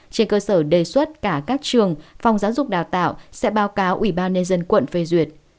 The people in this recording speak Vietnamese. trên cơ sở đề xuất cả các trường phòng giáo dục đào tạo sẽ báo cáo ủy ban nhân dân quận phê duyệt